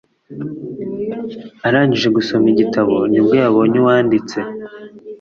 Arangije gusoma igitabo ni bwo yabonye uwanditse